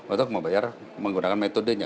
untuk membayar menggunakan aplikasi gopay